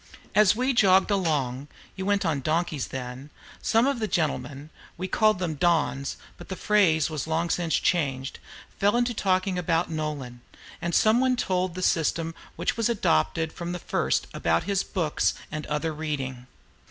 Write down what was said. As we jogged along (you went on donkeys then), some of the gentlemen (we boys called them "Dons," but the phrase was long since changed) fell to talking about Nolan, and some one told the system which was adopted from the first about his books and other reading.